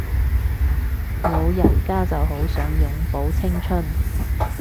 老人家就好想永葆青春